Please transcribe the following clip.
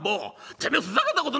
てめえふざけたこと！」。